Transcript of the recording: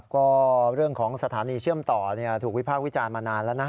ก็เรื่องของสถานีเชื่อมต่อถูกวิพากษ์วิจารณ์มานานแล้วนะ